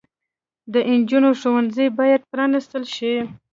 د انجونو ښوونځي بايد پرانستل شي